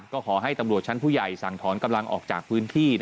ก็ขอให้ตำรวจชั้นผู้ใหญ่สั่งถอนกำลังออกจากพื้นที่